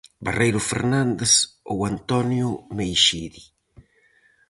Barreiro Fernández ou Antonio Meixide.